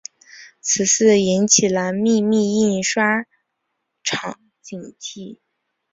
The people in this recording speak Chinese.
此事引起了秘密印刷厂警惕。